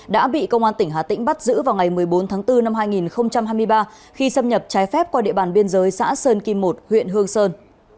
đã bị công an tỉnh hà tĩnh bắt giữ vào ngày một mươi bốn tháng bốn năm hai nghìn hai mươi ba khi xâm nhập trái phép qua địa bàn biên giới xã sơn kim một huyện hương sơn